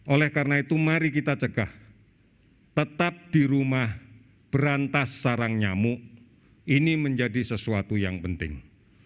oleh karena itu mari kita cegah tetap di rumah berantas sarang nyamuk ini menjadi sesuatu yang penting